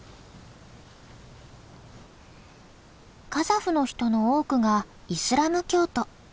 カザフの人の多くがイスラム教徒。